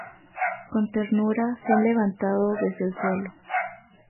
Con ternura se han levantado desde el suelo.